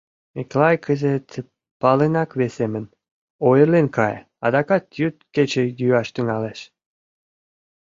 Миклай кызыт палынак весемын, ойырлен кае — адакат йӱд-кече йӱаш тӱҥалеш.